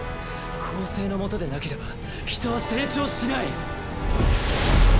「公正」の下でなければ人は成長しない。